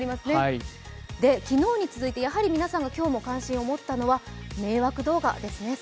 昨日に続いて皆さんが今日も関心を持ったのは迷惑動画ですね。